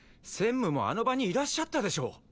専務もあの場にいらっしゃったでしょ！？